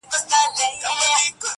o د نن کار سبا ته مه پرېږده.